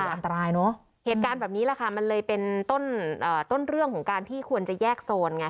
อันตรายเนอะเหตุการณ์แบบนี้แหละค่ะมันเลยเป็นต้นเรื่องของการที่ควรจะแยกโซนไง